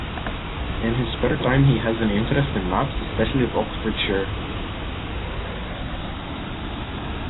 In his spare time, he has an interest in maps, especially of Oxfordshire.